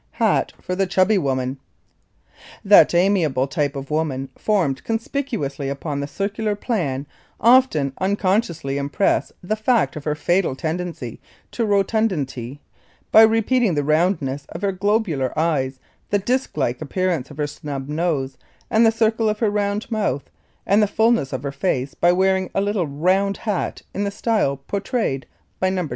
Hat for the Chubby Woman. [Illustration: NO. 26] That amiable type of woman formed conspicuously upon the circular plan often unconsciously impresses the fact of her fatal tendency to rotundity by repeating the roundness of her globular eyes, the disk like appearance of her snub nose and the circle of her round mouth, and the fulness of her face by wearing a little, round hat in the style portrayed by No.